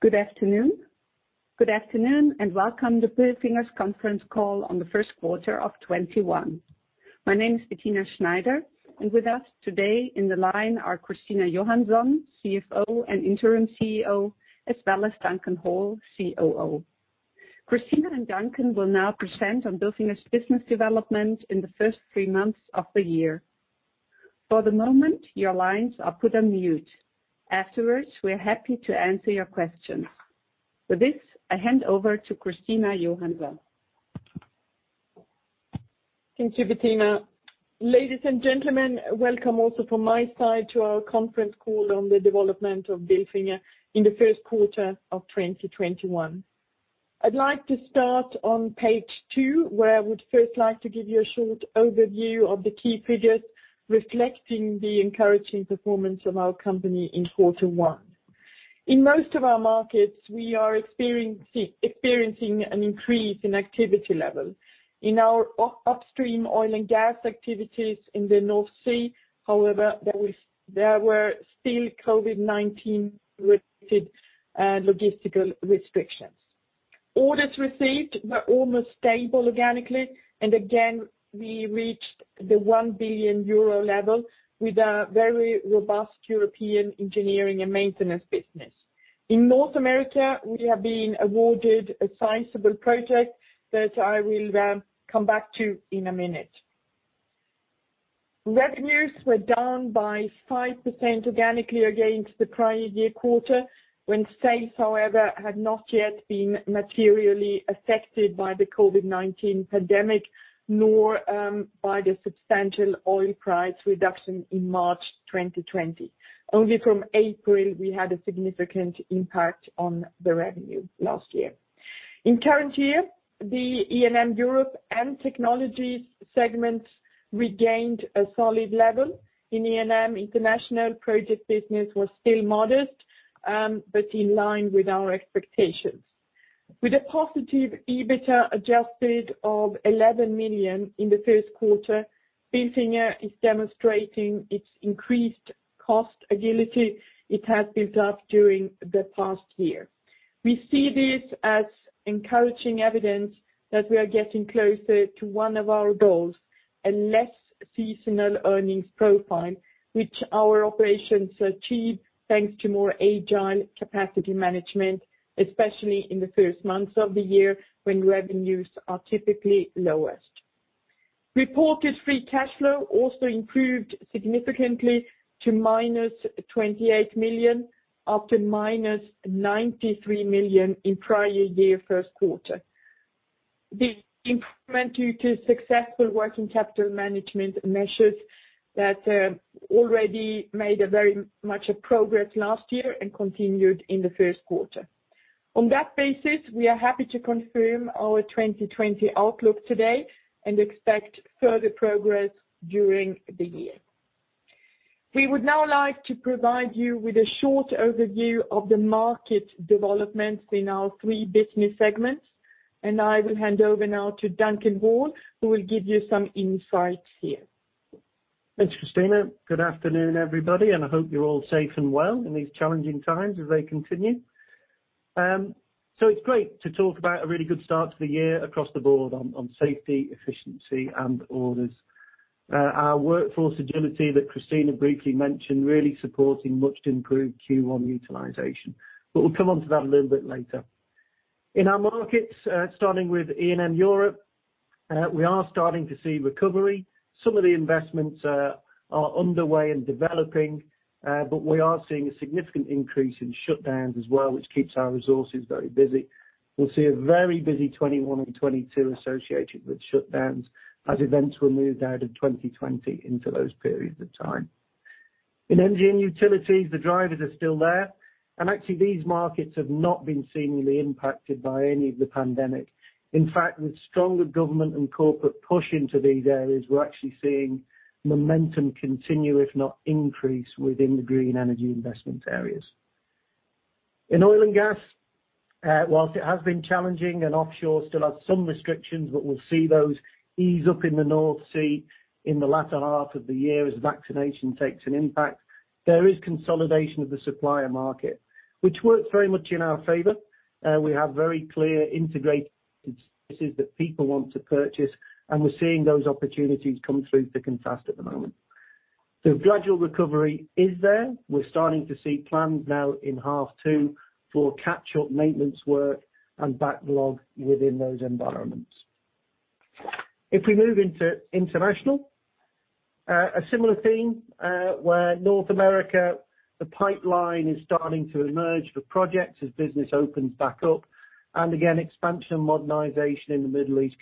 Good afternoon, and welcome to Bilfinger's conference call on the first quarter of 2021. My name is Bettina Schneider, and with us today in the line are Christina Johansson, CFO and Interim CEO, as well as Duncan Hall, COO. Christina and Duncan will now present on Bilfinger's business development in the first three months of the year. For the moment, your lines are put on mute. Afterwards, we're happy to answer your questions. With this, I hand over to Christina Johansson. Thank you, Bettina. Ladies and gentlemen, welcome also from my side to our conference call on the development of Bilfinger in the first quarter of 2021. I'd like to start on page two, where I would first like to give you a short overview of the key figures reflecting the encouraging performance of our company in quarter one. In most of our markets, we are experiencing an increase in activity level. In our upstream oil and gas activities in the North Sea, however, there were still COVID-19-related logistical restrictions. Orders received were almost stable organically, and again, we reached the 1 billion euro level with a very robust European engineering and maintenance business. In North America, we have been awarded a sizable project that I will come back to in a minute. Revenues were down by 5% organically against the prior year quarter, when sales, however, had not yet been materially affected by the COVID-19 pandemic, nor by the substantial oil price reduction in March 2020. Only from April, we had a significant impact on the revenue last year. In current year, the E&M Europe and Technologies segments regained a solid level. In E&M, international project business was still modest, but in line with our expectations. With a positive EBITDA adjusted of 11 million in the first quarter, Bilfinger is demonstrating its increased cost agility it has built up during the past year. We see this as encouraging evidence that we are getting closer to one of our goals, a less seasonal earnings profile, which our operations achieve thanks to more agile capacity management, especially in the first months of the year when revenues are typically lowest. Reported free cash flow also improved significantly to -28 million, after -93 million in prior year first quarter. The improvement due to successful working capital management measures that already made a very much progress last year and continued in the first quarter. On that basis, we are happy to confirm our 2020 outlook today and expect further progress during the year. We would now like to provide you with a short overview of the market developments in our three business segments, and I will hand over now to Duncan Hall, who will give you some insights here. Thanks, Christina. Good afternoon, everybody. I hope you're all safe and well in these challenging times as they continue. It's great to talk about a really good start to the year across the board on safety, efficiency, and orders. Our workforce agility that Christina briefly mentioned really supporting much improved Q1 utilization. We'll come onto that a little bit later. In our markets, starting with E&M Europe, we are starting to see recovery. Some of the investments are underway and developing, but we are seeing a significant increase in shutdowns as well, which keeps our resources very busy. We'll see a very busy 2021 and 2022 associated with shutdowns as events were moved out of 2020 into those periods of time. In Energy and Utilities, the drivers are still there, and actually these markets have not been seemingly impacted by any of the pandemic. In fact, with stronger government and corporate push into these areas, we're actually seeing momentum continue, if not increase, within the green energy investment areas. In oil and gas, whilst it has been challenging and offshore still has some restrictions, we'll see those ease up in the North Sea in the latter half of the year as vaccination takes an impact. There is consolidation of the supplier market, which works very much in our favor. We have very clear integration that people want to purchase, we're seeing those opportunities come through thick and fast at the moment. Gradual recovery is there. We're starting to see plans now in half two for catch-up maintenance work and backlog within those environments. If we move into international, a similar theme, where North America, the pipeline is starting to emerge for projects as business opens back up. Again, expansion and modernization in the Middle East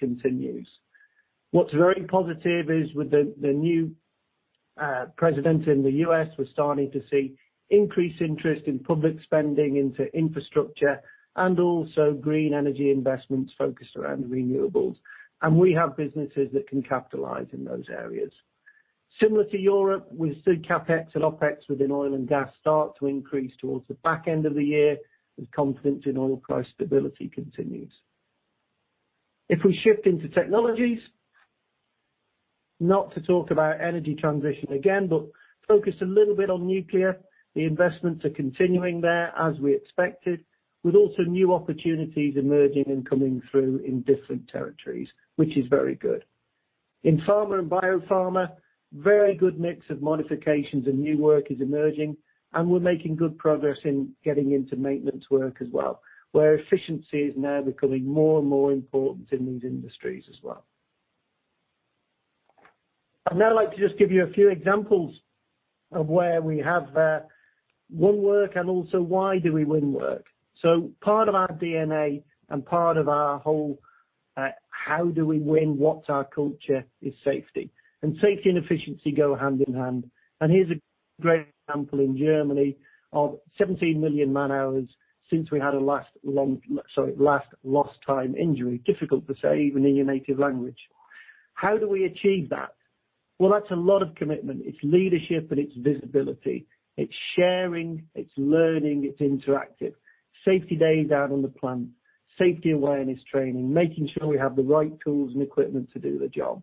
continues. What's very positive is with the new president in the U.S., we're starting to see increased interest in public spending into infrastructure and also green energy investments focused around renewables. We have businesses that can capitalize in those areas. Similar to Europe, we see CapEx and OpEx within oil and gas start to increase towards the back end of the year as confidence in oil price stability continues. If we shift into Technologies. Not to talk about energy transition again, but focus a little bit on nuclear. The investments are continuing there, as we expected, with also new opportunities emerging and coming through in different territories, which is very good. In pharma and biopharma, very good mix of modifications and new work is emerging, and we're making good progress in getting into maintenance work as well, where efficiency is now becoming more and more important in these industries as well. I'd now like to just give you a few examples of where we have won work and also why do we win work. Part of our DNA and part of our whole, how do we win, what's our culture, is safety. Safety and efficiency go hand in hand. Here's a great example in Germany of 17 million man-hours since we had a last lost time injury. Difficult to say, even in your native language. How do we achieve that? Well, that's a lot of commitment. It's leadership and it's visibility. It's sharing, it's learning, it's interactive. Safety days out on the plant, safety awareness training, making sure we have the right tools and equipment to do the job.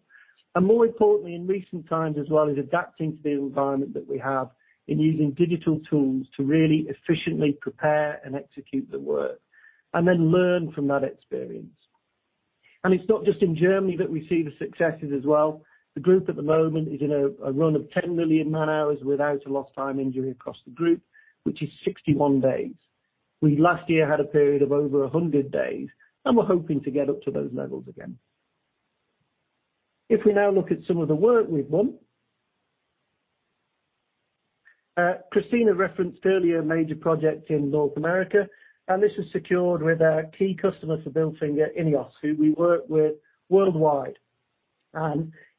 More importantly, in recent times as well, is adapting to the environment that we have in using digital tools to really efficiently prepare and execute the work, and then learn from that experience. It's not just in Germany that we see the successes as well. The group at the moment is in a run of 10 million man-hours without a lost time injury across the group, which is 61 days. We last year had a period of over 100 days, and we're hoping to get up to those levels again. If we now look at some of the work we've won. Christina referenced earlier a major project in North America, and this was secured with a key customer for Bilfinger, INEOS, who we work with worldwide.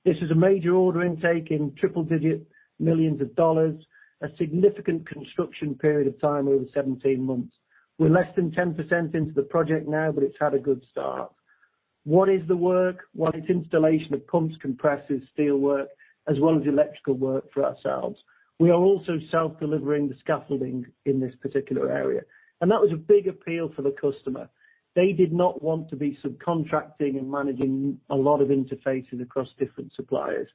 This is a major order intake in triple-digit millions of dollars, a significant construction period of time over 17 months. We're less than 10% into the project now, but it's had a good start. What is the work? Well, it's installation of pumps, compressors, steel work, as well as electrical work for ourselves. We are also self-delivering the scaffolding in this particular area. That was a big appeal for the customer. They did not want to be subcontracting and managing a lot of interfaces across different suppliers,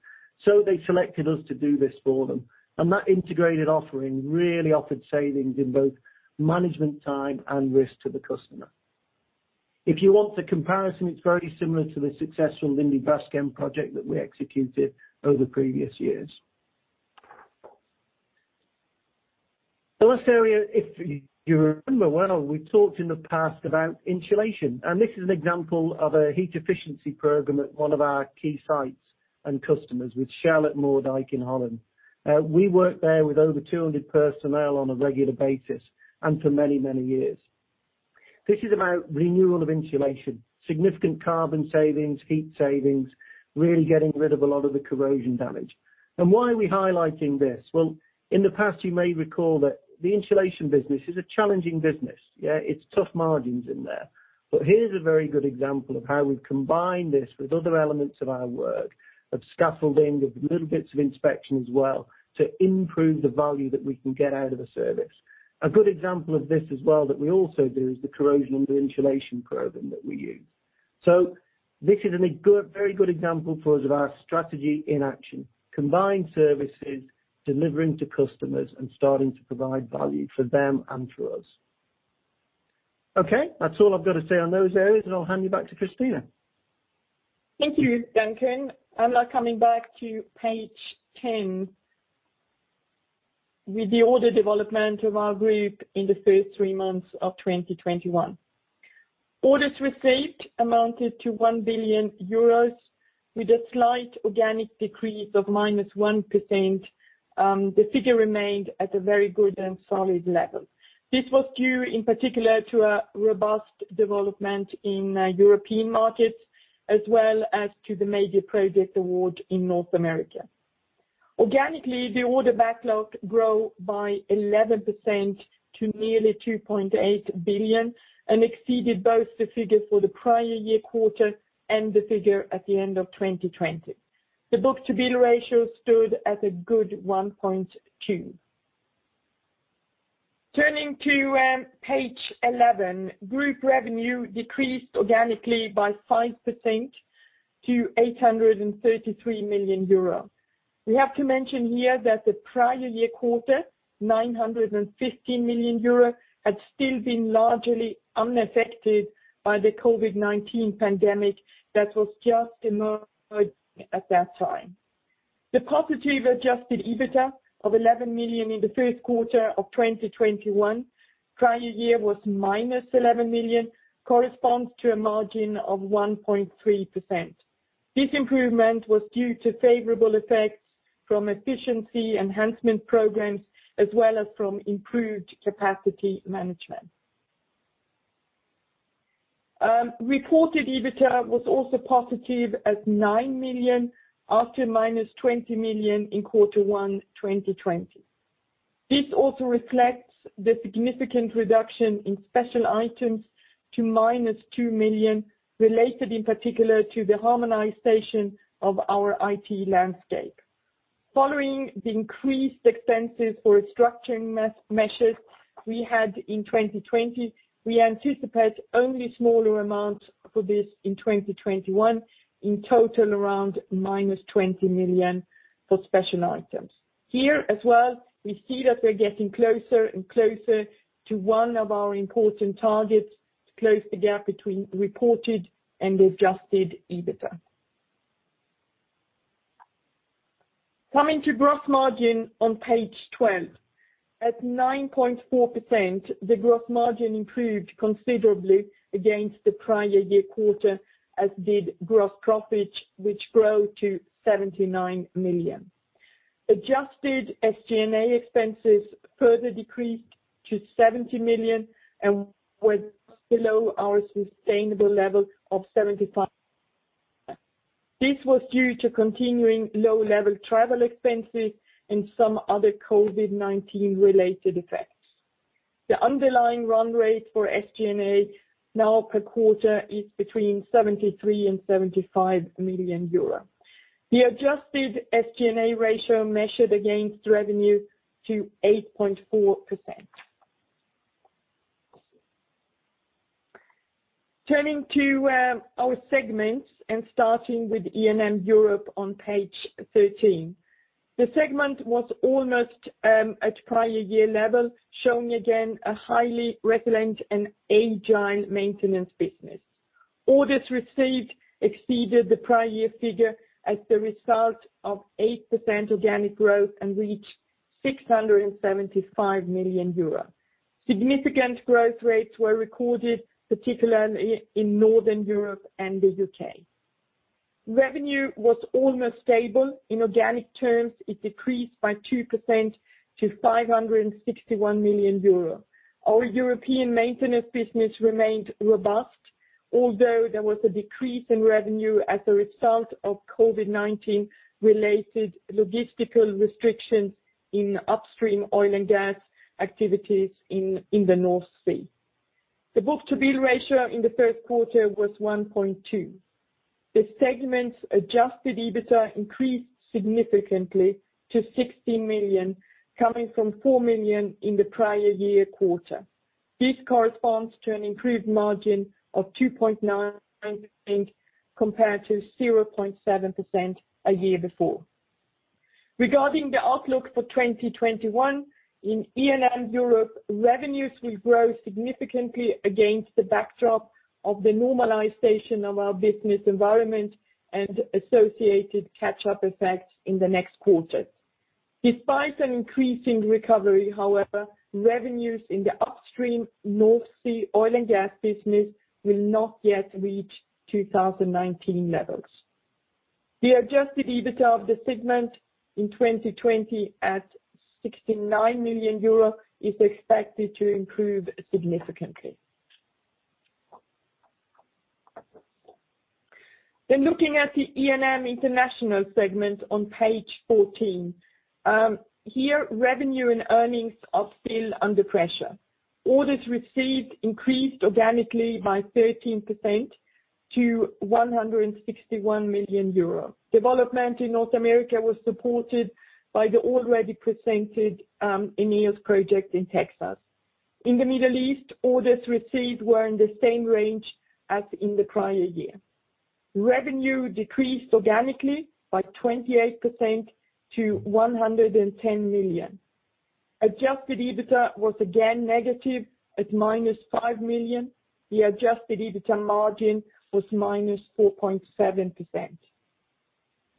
so they selected us to do this for them. That integrated offering really offered savings in both management time and risk to the customer. If you want the comparison, it's very similar to the successful Lindby Basscamp project that we executed over previous years. The last area, if you remember well, we talked in the past about insulation. This is an example of a heat efficiency program at one of our key sites and customers with Shell at Moerdijk in the Netherlands. We work there with over 200 personnel on a regular basis and for many, many years. This is about renewal of insulation, significant carbon savings, heat savings, really getting rid of a lot of the corrosion damage. Why are we highlighting this? Well, in the past, you may recall that the insulation business is a challenging business. Yeah, it's tough margins in there. Here's a very good example of how we combine this with other elements of our work, of scaffolding, with little bits of inspection as well, to improve the value that we can get out of a service. A good example of this as well that we also do is the corrosion and the insulation program that we use. This is a very good example for us of our strategy in action. Combined services delivering to customers and starting to provide value for them and for us. That's all I've got to say on those areas, and I'll hand you back to Christina. Thank you, Duncan. I'm now coming back to page 10 with the order development of our group in the first three months of 2021. Orders received amounted to 1 billion euros, with a slight organic decrease of -1%. The figure remained at a very good and solid level. This was due in particular to a robust development in European markets, as well as to the major project award in North America. Organically, the order backlog grow by 11% to nearly 2.8 billion and exceeded both the figure for the prior year quarter and the figure at the end of 2020. The book-to-bill ratio stood at a good 1.2. Turning to page 11, group revenue decreased organically by 5% to 833 million euro. We have to mention here that the prior year quarter, 950 million euro, had still been largely unaffected by the COVID-19 pandemic that was just emerging at that time. The positive adjusted EBITDA of 11 million in the first quarter 2021, prior year was -11 million, corresponds to a margin of 1.3%. This improvement was due to favorable effects from efficiency enhancement programs as well as from improved capacity management. Reported EBITDA was also positive at 9 million after -20 million in Q1 2020. This also reflects the significant reduction in special items to -2 million, related in particular to the harmonization of our IT landscape. Following the increased expenses for restructuring measures we had in 2020, we anticipate only smaller amounts for this in 2021. In total, around -20 million for special items. Here as well, we see that we're getting closer and closer to one of our important targets to close the gap between reported and adjusted EBITDA. Coming to gross margin on page 12. At 9.4%, the gross margin improved considerably against the prior year quarter, as did gross profit, which grew to 79 million. Adjusted SG&A expenses further decreased to 70 million and were below our sustainable level of 75. This was due to continuing low-level travel expenses and some other COVID-19 related effects. The underlying run rate for SG&A now per quarter is between 73 and 75 million euro. The adjusted SG&A ratio measured against revenue to 8.4%. Turning to our segments and starting with E&M Europe on page 13. The segment was almost at prior year level, showing again a highly resilient and agile maintenance business. Orders received exceeded the prior year figure as the result of 8% organic growth and reached 675 million euros. Significant growth rates were recorded, particularly in Northern Europe and the U.K. Revenue was almost stable. In organic terms, it decreased by 2% to 561 million euro. Our European maintenance business remained robust, although there was a decrease in revenue as a result of COVID-19 related logistical restrictions in upstream oil and gas activities in the North Sea. The book-to-bill ratio in the first quarter was 1.2. The segment's adjusted EBITDA increased significantly to 16 million, coming from 4 million in the prior year quarter. This corresponds to an improved margin of 2.9% compared to 0.7% a year before. Regarding the outlook for 2021, in E&M Europe, revenues will grow significantly against the backdrop of the normalization of our business environment and associated catch-up effects in the next quarters. Despite an increasing recovery, however, revenues in the upstream North Sea oil and gas business will not yet reach 2019 levels. The adjusted EBITDA of the segment in 2020 at 69 million euro is expected to improve significantly. Looking at the E&M International segment on page 14. Here, revenue and earnings are still under pressure. Orders received increased organically by 13% to 161 million euros. Development in North America was supported by the already presented INEOS project in Texas. In the Middle East, orders received were in the same range as in the prior year. Revenue decreased organically by 28% to 110 million. Adjusted EBITDA was again negative at minus 5 million. The adjusted EBITDA margin was minus 4.7%.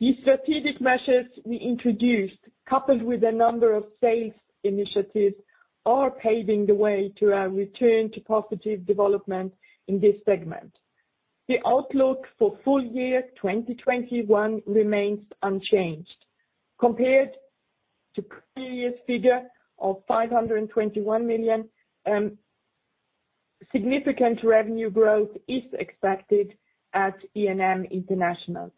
The strategic measures we introduced, coupled with a number of sales initiatives, are paving the way to our return to positive development in this segment. The outlook for full year 2021 remains unchanged. Compared to previous figure of 521 million, significant revenue growth is expected at E&M International.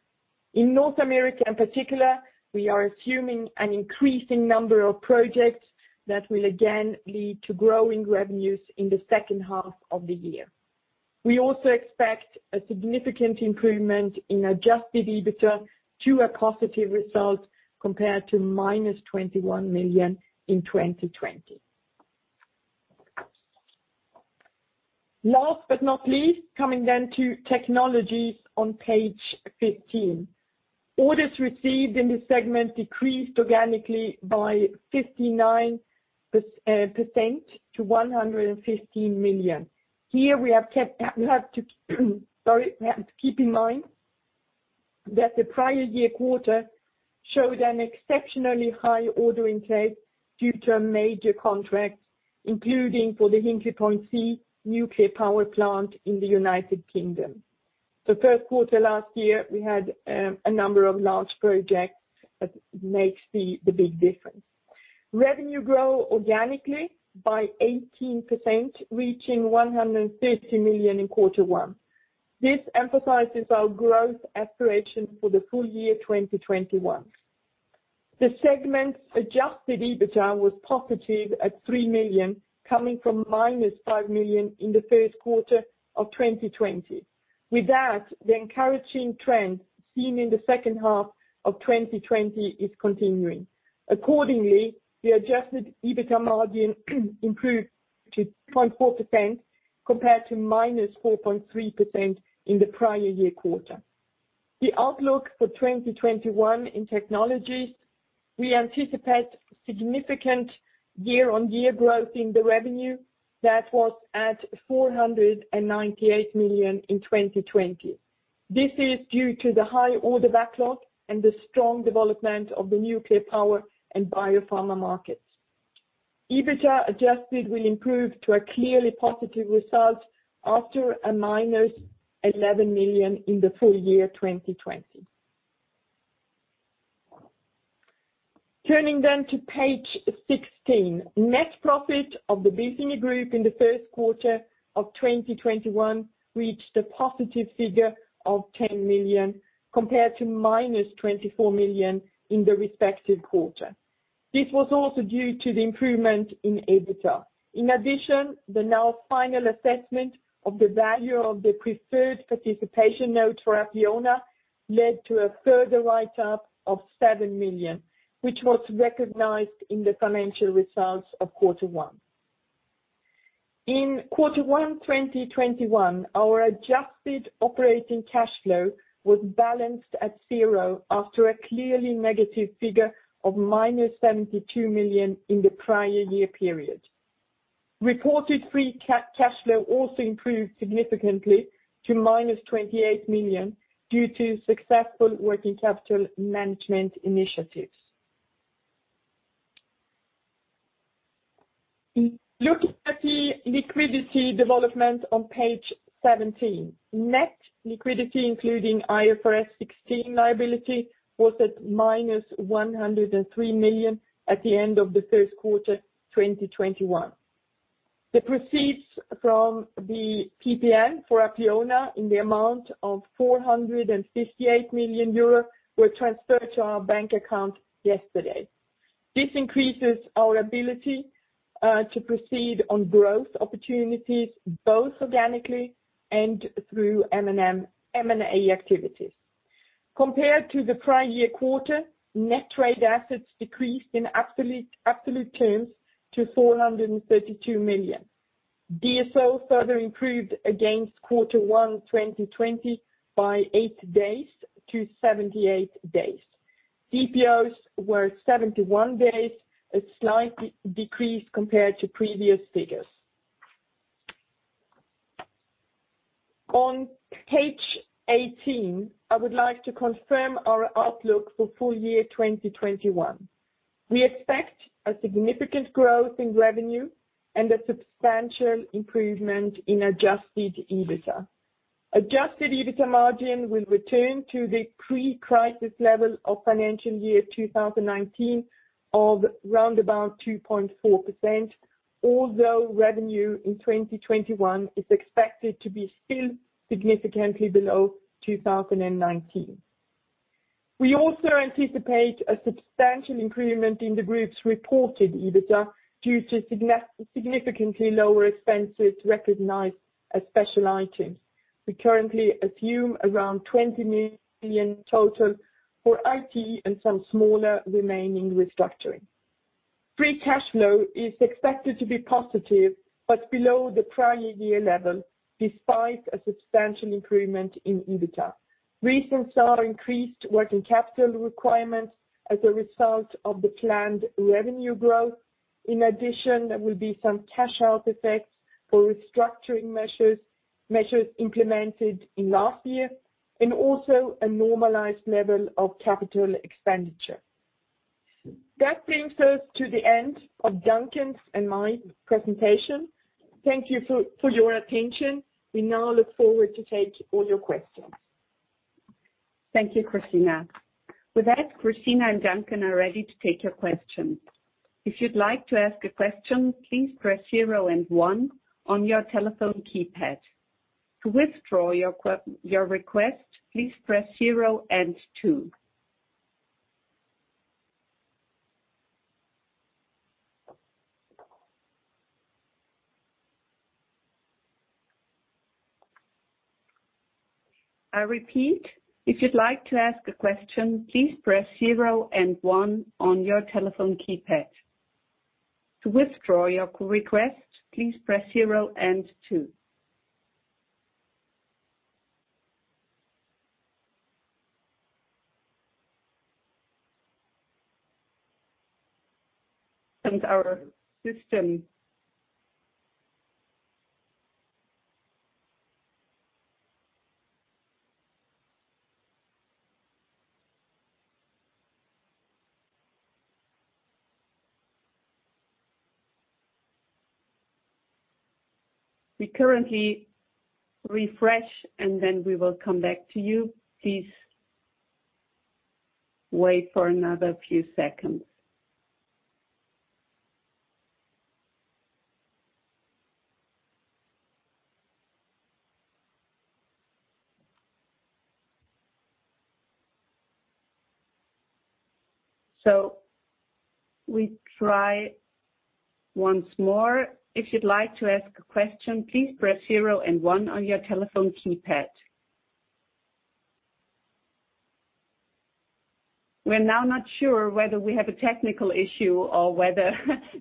In North America in particular, we are assuming an increasing number of projects that will again lead to growing revenues in the second half of the year. We also expect a significant improvement in adjusted EBITDA to a positive result compared to minus 21 million in 2020. Last but not least, coming then to Technologies on page 15. Orders received in this segment decreased organically by 59% to 115 million. Here, we have to keep in mind that the prior year quarter showed an exceptionally high order intake due to a major contract, including for the Hinkley Point C nuclear power plant in the United Kingdom. First quarter last year, we had a number of large projects that makes the big difference. Revenue grow organically by 18%, reaching 130 million in quarter one. This emphasizes our growth aspiration for the full year 2021. The segment's adjusted EBITDA was positive at 3 million, coming from minus 5 million in the first quarter of 2020. The encouraging trend seen in the second half of 2020 is continuing. The adjusted EBITDA margin improved to 2.4% compared to -4.3% in the prior year quarter. The outlook for 2021 in Technologies, we anticipate significant year-on-year growth in the revenue that was at 498 million in 2020. This is due to the high order backlog and the strong development of the nuclear power and biopharma markets. EBITDA adjusted will improve to a clearly positive result after a minus 11 million in the full year 2020. Turning to page 16. Net profit of the Bilfinger Group in the first quarter of 2021 reached a positive figure of 10 million, compared to minus 24 million in the respective quarter. This was also due to the improvement in EBITDA. In addition, the now final assessment of the value of the preferred participation note for Apleona led to a further write-up of 7 million, which was recognized in the financial results of Quarter One. In Quarter One 2021, our adjusted operating cash flow was balanced at zero after a clearly negative figure of -72 million in the prior year period. Reported free cash flow also improved significantly to -28 million due to successful working capital management initiatives. Looking at the liquidity development on page 17. Net liquidity, including IFRS 16 liability, was at -103 million at the end of the first quarter 2021. The proceeds from the PPN for Apleona in the amount of 458 million euros were transferred to our bank account yesterday. This increases our ability to proceed on growth opportunities, both organically and through M&A activities. Compared to the prior year quarter, net trade assets decreased in absolute terms to 432 million. DSO further improved against quarter one 2020 by eight days to 78 days. DPOs were 71 days, a slight decrease compared to previous figures. On page 18, I would like to confirm our outlook for full year 2021. We expect a significant growth in revenue and a substantial improvement in adjusted EBITDA. Adjusted EBITDA margin will return to the pre-crisis level of financial year 2019 of roundabout 2.4%, although revenue in 2021 is expected to be still significantly below 2019. We also anticipate a substantial improvement in the group's reported EBITDA due to significantly lower expenses recognized as special items. We currently assume around 20 million total for IT and some smaller remaining restructuring. Free cash flow is expected to be positive, but below the prior year level, despite a substantial improvement in EBITDA. Reasons are increased working capital requirements as a result of the planned revenue growth. In addition, there will be some cash out effects for restructuring measures implemented in last year, and also a normalized level of capital expenditure. That brings us to the end of Duncan's and my presentation. Thank you for your attention. We now look forward to take all your questions. Thank you, Christina. With that, Christina and Duncan are ready to take your questions. If you would like to ask a question, please press zero and one on your telephone keypad. To withdraw your request, please press zero and two. I repeat if you would like to ask a question, please press zero and one on your telephone keypad. To withdraw your request please press zero and two. We currently refresh and we will come back to you please wait. We try once more. If you'd like to ask a question, please press zero and one on your telephone keypad. We're now not sure whether we have a technical issue or whether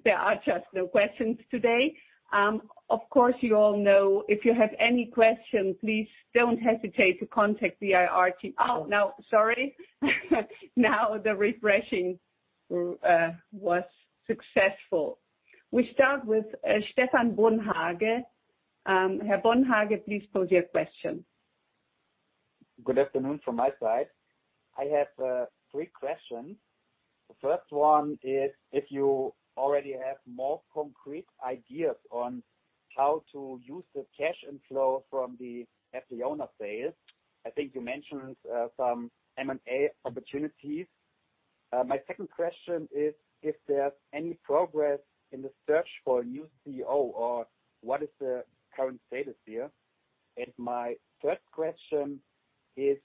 there are just no questions today. Of course, you all know if you have any questions, please don't hesitate to contact the IR team. Now, sorry. Now the refreshing was successful. We start with Stephan Bonhage. Bonhage, please pose your question. Good afternoon from my side. I have three questions. The first one is if you already have more concrete ideas on how to use the cash inflow from the Apleona sale. I think you mentioned some M&A opportunities. My second question is if there's any progress in the search for a new CEO or what is the current status here? My third question is,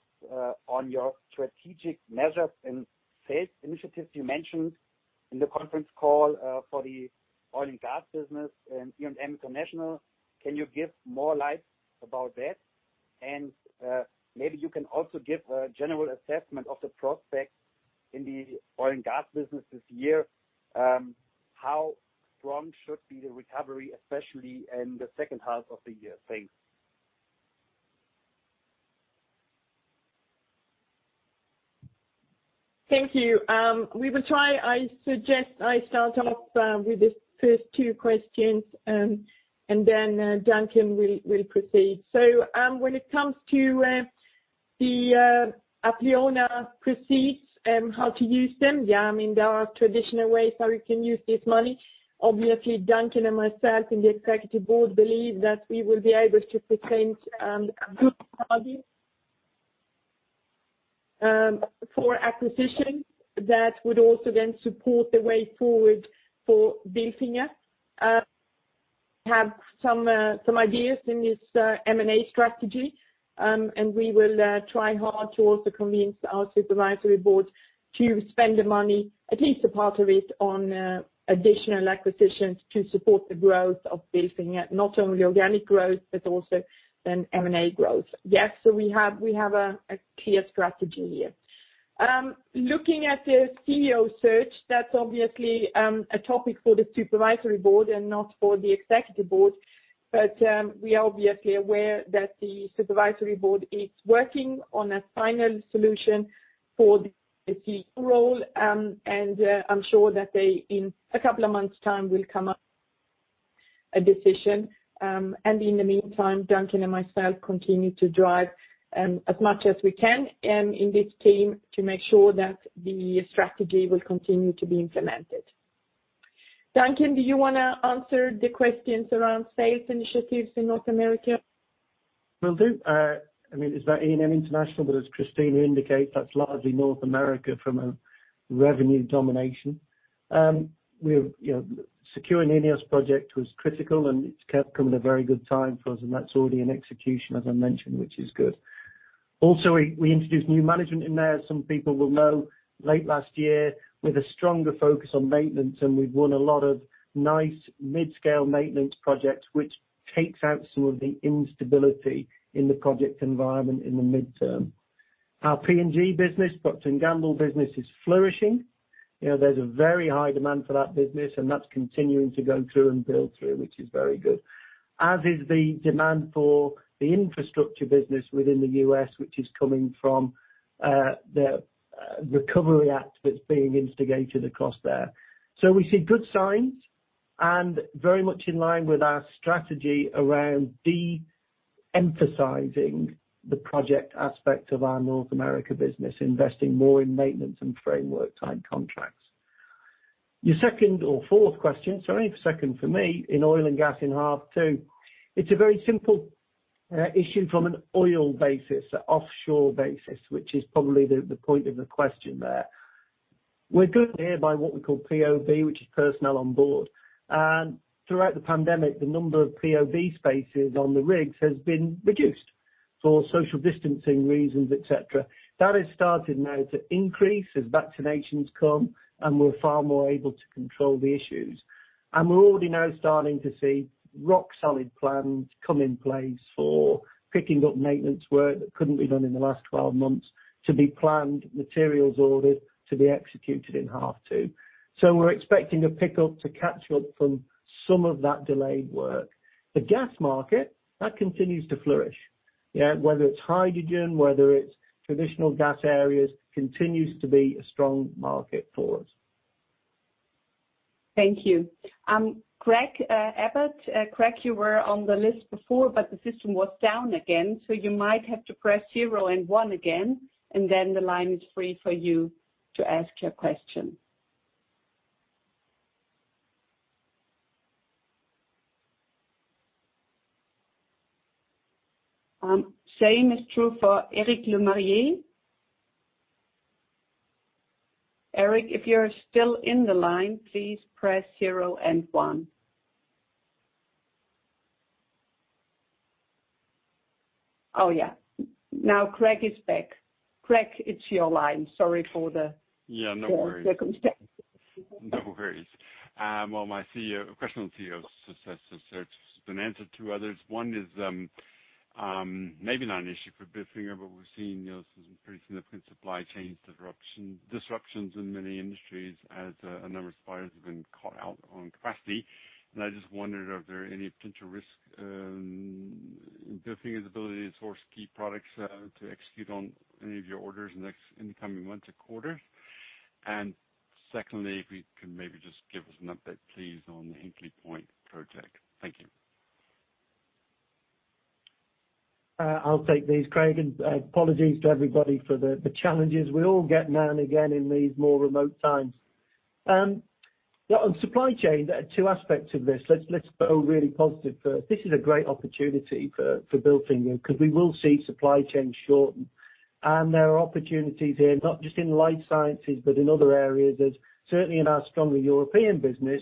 on your strategic measures and sales initiatives you mentioned in the conference call for the oil and gas business and E&M International, can you give more light about that? Maybe you can also give a general assessment of the prospects in the oil and gas business this year. How strong should be the recovery, especially in the second half of the year? Thanks. Thank you. We will try. I suggest I start off with the first two questions. Duncan will proceed. When it comes to the Apleona proceeds, how to use them, there are traditional ways how we can use this money. Obviously, Duncan and myself and the Executive Board believe that we will be able to present a good value for acquisition that would also then support the way forward for Bilfinger. We have some ideas in this M&A strategy. We will try hard to also convince our Supervisory Board to spend the money, at least a part of it, on additional acquisitions to support the growth of Bilfinger, not only organic growth, but also then M&A growth. Yes. We have a clear strategy here. Looking at the CEO search, that's obviously a topic for the Supervisory Board and not for the Executive Board. We are obviously aware that the supervisory board is working on a final solution for the CEO role. I'm sure that they, in a couple of months' time, will come up with a decision. In the meantime, Duncan and myself continue to drive as much as we can in this team to make sure that the strategy will continue to be implemented. Duncan, do you want to answer the questions around sales initiatives in North America? Will do. Is that E&M International, but as Christina indicates, that's largely North America from a revenue domination. Securing the INEOS project was critical, and it's kept coming at a very good time for us, and that's already in execution as I mentioned, which is good. We introduced new management in there. Some people will know late last year, with a stronger focus on maintenance, and we've won a lot of nice mid-scale maintenance projects, which takes out some of the instability in the project environment in the midterm. Our P&G business, Procter & Gamble business is flourishing. There's a very high demand for that business, and that's continuing to go through and build through, which is very good. As is the demand for the infrastructure business within the U.S., which is coming from the Recovery Act that's being instigated across there. We see good signs and very much in line with our strategy around de-emphasizing the project aspect of our North America business, investing more in maintenance and framework type contracts. Your second or fourth question, sorry, second for me, in oil and gas in half two, it's a very simple issue from an oil basis, a offshore basis, which is probably the point of the question there. We're good here by what we call POB, which is personnel on board. Throughout the pandemic, the number of POB spaces on the rigs has been reduced for social distancing reasons, et cetera. That has started now to increase as vaccinations come and we're far more able to control the issues. We're already now starting to see rock-solid plans come in place for picking up maintenance work that couldn't be done in the last 12 months to be planned, materials ordered to be executed in half two. We're expecting a pickup to catch up from some of that delayed work. The gas market, that continues to flourish. Whether it's hydrogen, whether it's traditional gas areas, continues to be a strong market for us. Thank you. Craig Abbott. Craig, you were on the list before, but the system was down again, so you might have to press zero and one again, then the line is free for you to ask your question. Same is true for Eric Lemarié. Eric, if you're still in the line, please press zero and one. Craig is back. Craig, it's your line. Yeah, no worries. The circumstances. No worries. Well, my question on CEO success has been answered. Two others, one is maybe not an issue for Bilfinger, but we've seen some pretty significant supply chains disruptions in many industries as a number of suppliers have been caught out on capacity. I just wondered, are there any potential risk in Bilfinger's ability to source key products to execute on any of your orders in the coming months or quarters? Secondly, if you can maybe just give us an update please on the Hinkley Point project. Thank you. I'll take these, Craig, apologies to everybody for the challenges we all get now and again in these more remote times. On supply chain, there are two aspects of this. Let's go really positive first. This is a great opportunity for Bilfinger because we will see supply chains shorten. There are opportunities here, not just in life sciences, but in other areas as certainly in our stronger European business,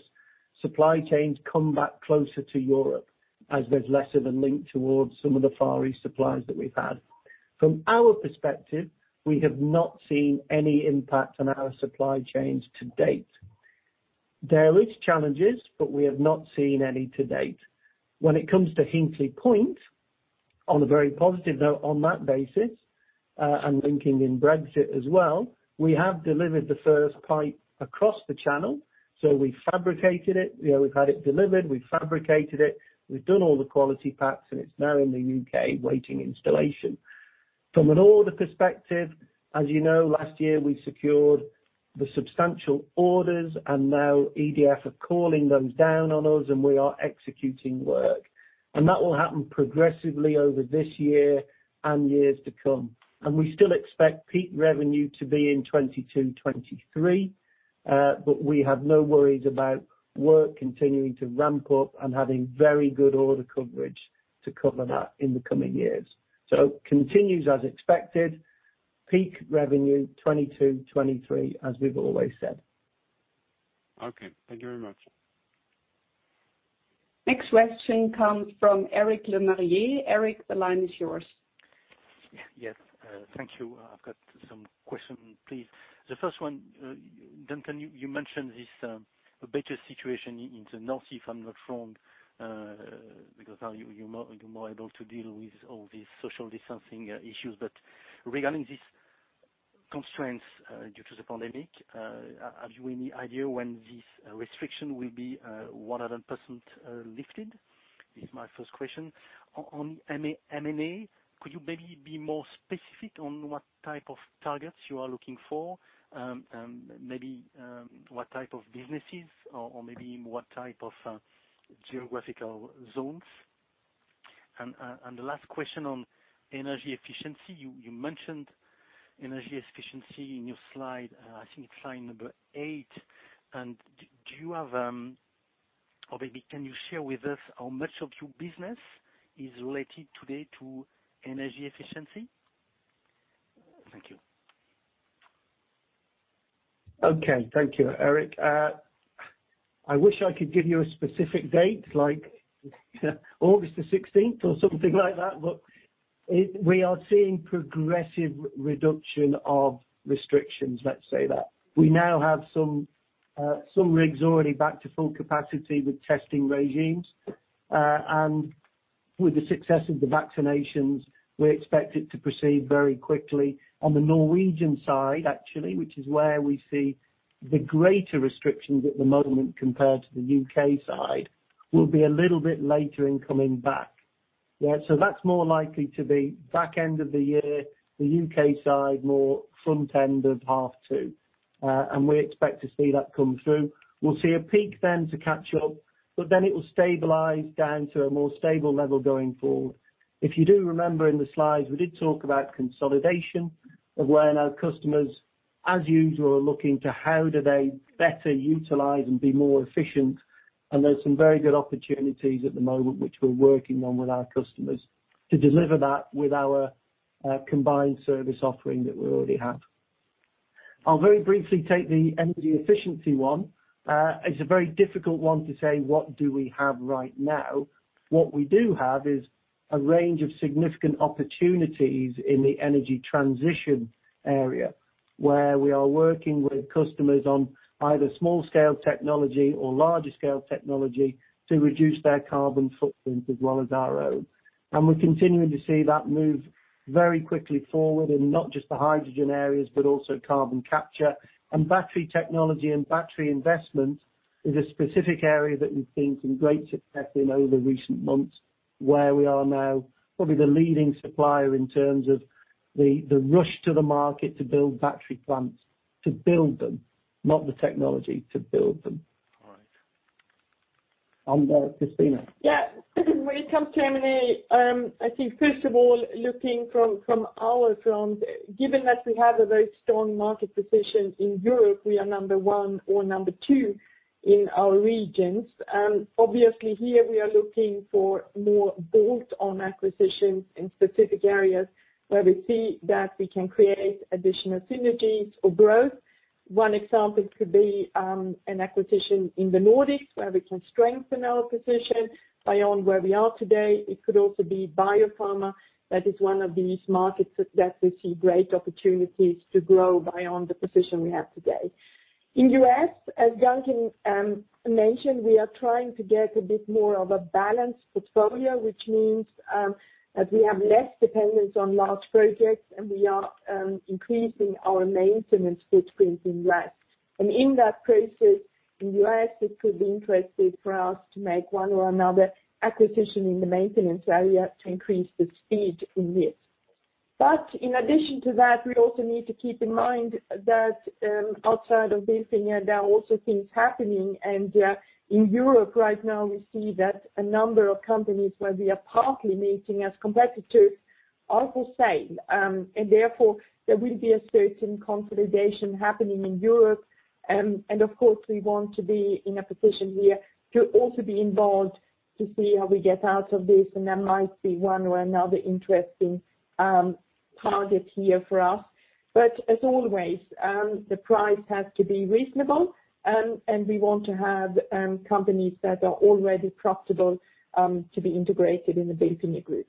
supply chains come back closer to Europe as there's less of a link towards some of the Far East suppliers that we've had. From our perspective, we have not seen any impact on our supply chains to date. There is challenges, we have not seen any to date. When it comes to Hinkley Point, on a very positive note on that basis, and linking in Brexit as well, we have delivered the first pipe across the channel. We fabricated it, we've had it delivered, we've fabricated it, we've done all the quality packs, and it's now in the U.K. waiting installation. From an order perspective, as you know, last year we secured the substantial orders and now EDF are calling those down on us, and we are executing work. That will happen progressively over this year and years to come. We still expect peak revenue to be in 2022, 2023. We have no worries about work continuing to ramp up and having very good order coverage to cover that in the coming years. Continues as expected. Peak revenue 2022, 2023, as we've always said. Okay. Thank you very much. Next question comes from Eric Lemarié. Eric, the line is yours. Yes, thank you. I've got some question, please. The first one, Duncan, you mentioned this better situation in the North, if I'm not wrong, because now you're more able to deal with all these social distancing issues. Regarding these constraints due to the pandemic, have you any idea when this restriction will be 100% lifted? Is my first question. On M&A, could you maybe be more specific on what type of targets you are looking for? Maybe what type of businesses or maybe what type of geographical zones? The last question on energy efficiency. You mentioned energy efficiency in your slide, I think it's slide number eight, do you have, or maybe can you share with us how much of your business is related today to energy efficiency? Thank you. Okay. Thank you, Eric. I wish I could give you a specific date, like August the 16th or something like that, but we are seeing progressive reduction of restrictions, let's say that. We now have some rigs already back to full capacity with testing regimes. With the success of the vaccinations, we're expected to proceed very quickly. On the Norwegian side, actually, which is where we see the greater restrictions at the moment compared to the U.K. side, will be a little bit later in coming back. Yeah. That's more likely to be back end of the year, the U.K. side, more front end of half two. We expect to see that come through. We'll see a peak then to catch up, but then it will stabilize down to a more stable level going forward. If you do remember in the slides, we did talk about consolidation of where our customers, as usual, are looking to how do they better utilize and be more efficient, and there's some very good opportunities at the moment which we're working on with our customers to deliver that with our combined service offering that we already have. I'll very briefly take the energy efficiency one. It's a very difficult one to say what do we have right now. What we do have is a range of significant opportunities in the energy transition area, where we are working with customers on either small scale technology or larger scale technology to reduce their carbon footprint as well as our own. We're continuing to see that move very quickly forward in not just the hydrogen areas, but also carbon capture and battery technology and battery investment is a specific area that we've seen some great success in over recent months, where we are now probably the leading supplier in terms of the rush to the market to build battery plants, to build them, not the technology. To build them. All right. Christina. Yeah. When it comes to M&A, I think first of all, looking from our front, given that we have a very strong market position in Europe, we are number one or number two in our regions. Obviously here we are looking for more bolt-on acquisitions in specific areas where we see that we can create additional synergies or growth. One example could be an acquisition in the Nordics, where we can strengthen our position beyond where we are today. It could also be biopharma. That is one of these markets that we see great opportunities to grow beyond the position we have today. In U.S., as Duncan mentioned, we are trying to get a bit more of a balanced portfolio, which means that we have less dependence on large projects and we are increasing our maintenance footprint in U.S. In that process in U.S., it could be interesting for us to make one or another acquisition in the maintenance area to increase the speed in this. In addition to that, we also need to keep in mind that outside of Bilfinger, there are also things happening. In Europe right now, we see that a number of companies where we are partly meeting as competitors are for sale. Therefore, there will be a certain consolidation happening in Europe. Of course, we want to be in a position here to also be involved to see how we get out of this, and there might be one or another interesting target here for us. As always, the price has to be reasonable, and we want to have companies that are already profitable to be integrated in the Bilfinger group.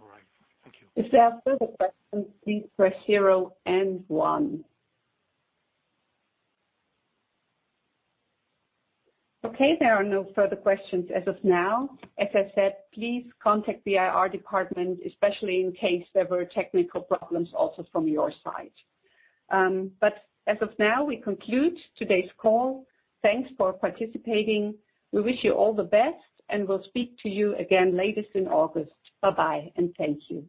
All right. Thank you. If there are further questions, please press zero and one. Okay, there are no further questions as of now. As I said, please contact the IR department, especially in case there were technical problems also from your side. As of now, we conclude today's call. Thanks for participating. We wish you all the best, and we'll speak to you again latest in August. Bye and thank you.